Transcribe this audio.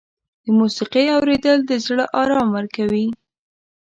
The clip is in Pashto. د موسیقۍ اورېدل د زړه آرام ورکوي.